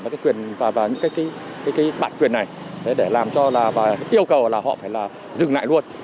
và cái quyền và những cái bản quyền này để làm cho là và yêu cầu là họ phải là dừng lại luôn